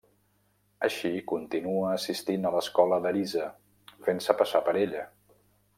Així continua assistint a l'escola d'Arisa, fent-se passar per ella.